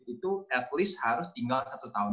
itu at least harus tinggal satu tahun